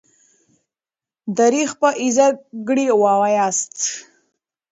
درې څپه ايزه ګړې وواياست.